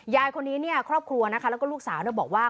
ยายคนนี้เนี่ยครอบครัวนะคะแล้วก็ลูกสาวบอกว่า